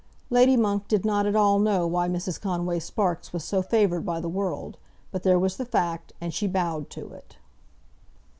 Lady Monk did not at all know why Mrs. Conway Sparkes was so favoured by the world; but there was the fact, and she bowed to it.